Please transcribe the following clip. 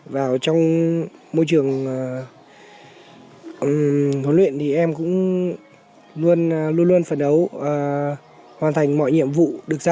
vào trong môi trường huấn luyện thì em cũng luôn luôn phấn đấu hoàn thành mọi nhiệm vụ được giao